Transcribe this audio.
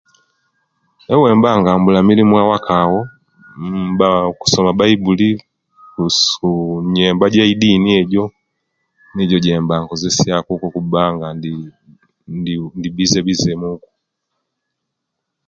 Owemba nga mbula mirimu owaka awo uuh mba kusoma baibuli kusu nyemba gye'iddini ejo nijo ejemba nkozesia kuba nga ndi ndi bize bize muku